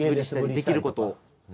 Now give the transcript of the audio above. できることを。